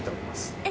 えっ！